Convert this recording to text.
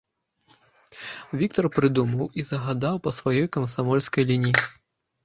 Віктар прыдумаў і загадаў па сваёй камсамольскай лініі.